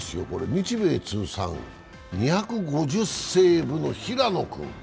日米通算２５０セーブの平野君。